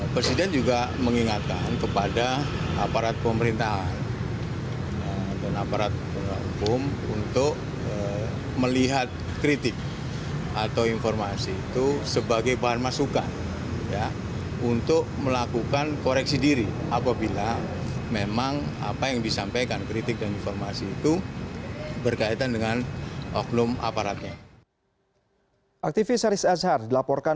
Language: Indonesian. presiden juga mengingatkan kepada aparat pemerintahan dan aparat hukum untuk melihat kritik atau informasi itu sebagai bahan masukan